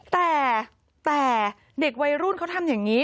แต่เด็กวัยรุ่นเขาทำอย่างนี้